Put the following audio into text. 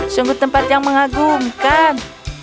sungguh tempat yang mengagumkan